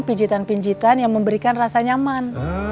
pijitan pincitan yang memberikan rasa nyaman